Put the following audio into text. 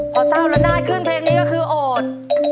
พอเศร้าละนาดขึ้นเพลงนี้ก็คือโอด